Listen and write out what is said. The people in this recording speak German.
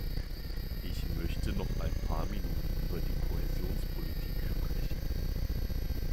Ich möchte noch ein paar Minuten über die Kohäsionspolitik sprechen.